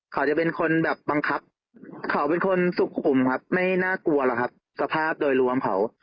เขาจะเป็นคนแบบบังคับเขาเป็นคนสุขุมครับไม่น่ากลัวหรอกครับสภาพโดยรวมเขา